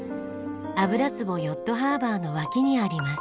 油壺ヨットハーバーの脇にあります。